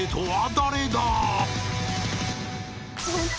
誰だ？